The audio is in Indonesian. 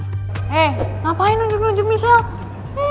hei ngapain nunjuk nunjuk nih shell